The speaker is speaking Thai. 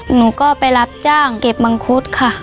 หนูก็ไปรับจ้างเก็บมังคุดค่ะ